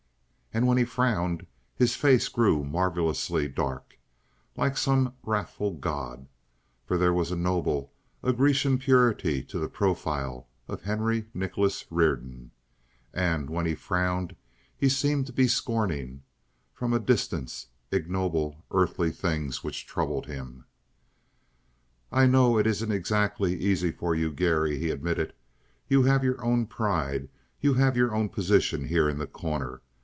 And when he frowned his face grew marvelously dark, like some wrathful god, for there was a noble, a Grecian purity to the profile of Henry Nicholas Reardon, and when he frowned he seemed to be scorning, from a distance, ignoble, earthly things which troubled him. "I know it isn't exactly easy for you, Garry," he admitted. "You have your own pride; you have your own position here in The Corner.